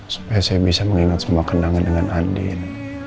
supaya saya bisa mengingat semua kenangan dengan andin